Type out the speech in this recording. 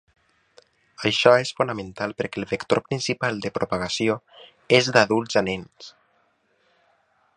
Això és fonamental perquè el vector principal de propagació és d’adults a nens.